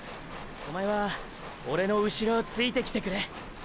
おまえはオレの後ろをついてきてくれ！